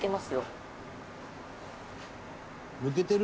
「抜けてる？」